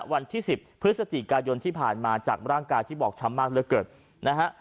วันที่สิบพฤษฐีกายนที่ผ่านมาจากร่างกายที่บอกช้ำมากลิ่นเกิดนะฮะ